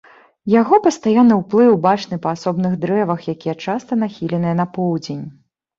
Яго пастаянны ўплыў бачны па асобных дрэвах, якія часта нахіленыя на поўдзень.